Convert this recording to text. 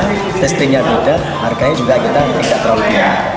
ketinggian beda harganya juga kita tidak terlalu kaya